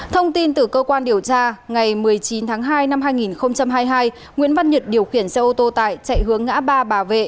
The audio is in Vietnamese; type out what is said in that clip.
thông tin từ cơ quan điều tra ngày một mươi chín tháng hai năm hai nghìn hai mươi hai nguyễn văn nhật điều khiển xe ô tô tải chạy hướng ngã ba bà vệ